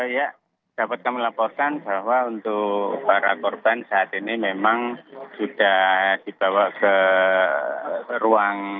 ya dapat kami laporkan bahwa untuk para korban saat ini memang sudah dibawa ke ruang